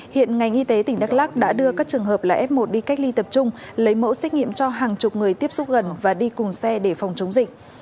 hiện ngành y tế tỉnh đắk lắc đã đưa các trường hợp là f một đi cách ly tập trung lấy mẫu xét nghiệm cho hàng chục người tiếp xúc gần và đi cùng xe để phòng chống dịch